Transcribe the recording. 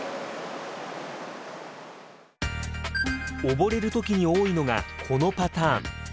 溺れるときに多いのがこのパターン。